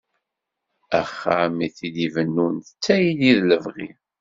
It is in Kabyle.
Axxam i t-ibennun d tayri d lebɣi.